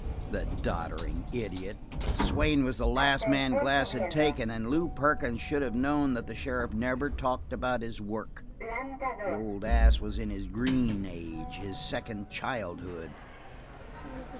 The doddering idiot! Swain was the last man Glass had taken, and Lew Perkins should have known that the sheriff never talked about his work; the old ass was in his green age, his second childhood.